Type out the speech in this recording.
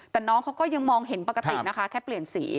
แต่น้องเขาก็ยังมองเห็นปกตินะคะแค่เปลี่ยนสี